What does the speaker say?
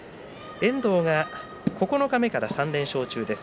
遠藤は九日目から３連勝中です。